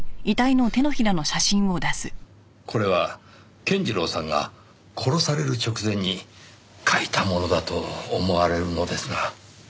これは健次郎さんが殺される直前に書いたものだと思われるのですが。